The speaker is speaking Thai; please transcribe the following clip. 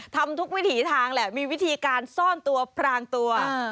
ทำทุกวิถีทางแหละมีวิธีการซ่อนตัวพรางตัว